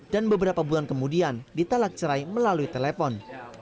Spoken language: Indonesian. dan beberapa bulan kemudian ditalak cerai melalui telepon